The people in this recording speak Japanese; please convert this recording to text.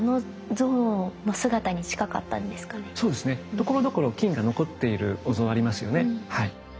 ところどころ金が残っているお像ありますよね。